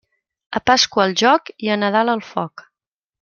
A Pasqua el joc i a Nadal el foc.